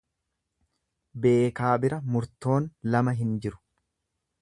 Beekaa bira murtoon lama hin jiru.